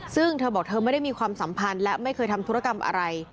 ซึ่งเธอบอกเธอไม่ได้มีความสัมพันธ์และไม่เคยทำธุรกรรมอะไร